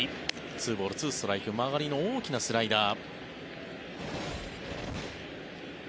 ２ボール２ストライク曲がりの大きなスライダー。